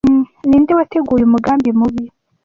Ninde wateguye umugambi mubi